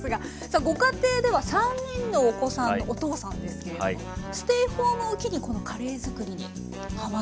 さあご家庭では３人のお子さんのお父さんですけれどもステイホームを機にこのカレーづくりにハマったんですね。